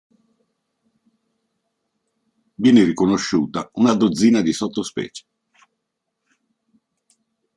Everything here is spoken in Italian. Viene riconosciuta una dozzina di sottospecie.